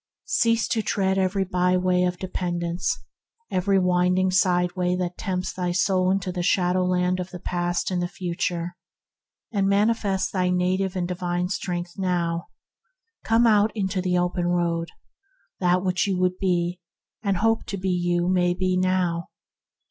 Cease to tread every byway of depend ence, every winding side path that tempts E.K. 7] 96 THE HEAVENLY LIFE thy soul into the shadow land of the past and the future; and manifest thy native and divine strength now. Come out into the open road. All that you would be and hope to be, you may be now.